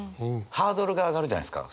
ハードルが上がるじゃないですか。